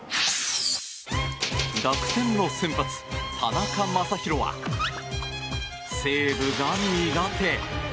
楽天の先発、田中将大は西武が苦手。